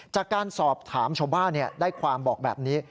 จากการสอบถามชาวบ้านได้ความบอกแบบนี้